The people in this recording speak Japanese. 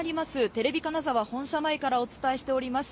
テレビ金沢本社前からお伝えしております。